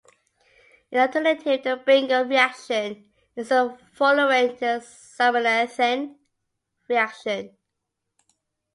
An alternative to the Bingel reaction is a fullerene diazomethane reaction.